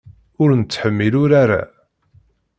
Ur nettḥemmil urar-a.